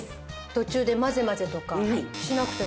途中で混ぜ混ぜとかしなくても。